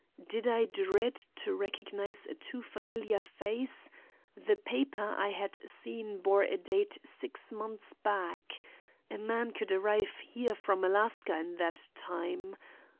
Did I dread to recognize a too familiar face? The paper I had seen bore a date six months back. A man could arrive here from Alaska in that time.